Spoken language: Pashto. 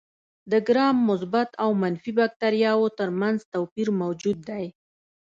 د ګرام مثبت او منفي باکتریاوو تر منځ توپیر موجود دی.